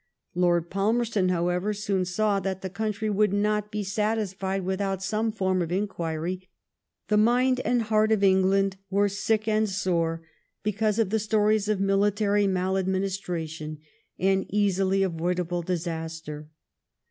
Lord Palmerston, however, soon saw that the country would not be satisfied without some form of in quiry. The mind and heart of England were sick and sore because of the stories of military maladministration and easily avoidable disaster.